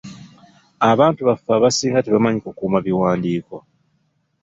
Abantu baffe abasinga tebamanyi kukuuma biwandiiko.